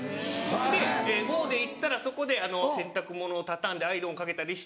で５歩で行ったらそこで洗濯物を畳んでアイロンかけたりして。